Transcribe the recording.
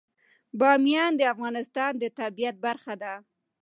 بامیان د افغانستان د طبیعت برخه ده.